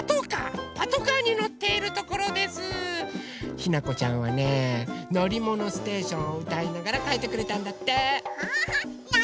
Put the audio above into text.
ひなこちゃんはね「のりものステーション」をうたいながらかいてくれたんだって！